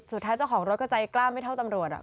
สุดท้ายเจ้าของรถก็ใจกล้ามไม่เท่าตำรวจ